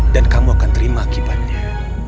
dan kamu akan terima akibatnya